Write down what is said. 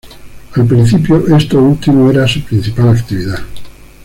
Al principio, este último era su principal actividad.